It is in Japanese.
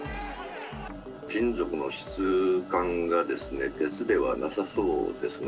金属の質感がですね、鉄ではなさそうですね。